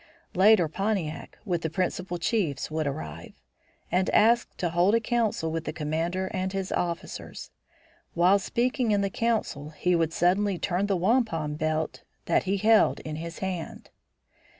Later Pontiac, with the principal chiefs would arrive, and ask to hold a council with the commander and his officers. While speaking in the council he would suddenly turn the wampum belt that he held in his hand.